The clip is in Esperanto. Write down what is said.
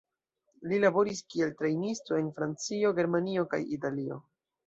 Li laboris kiel trejnisto en Francio, Germanio kaj Italio.